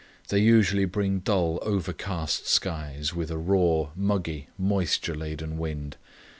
They usually bring dull, overcast skies, with a raw, muggy, moisture laden wind.